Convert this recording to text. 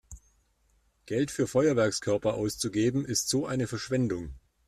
Geld für Feuerwerkskörper auszugeben ist so eine Verschwendung!